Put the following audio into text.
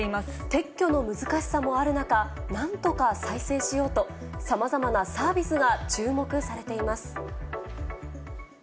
撤去の難しさもある中、なんとか再生しようと、さまざまなサービスが注目されています。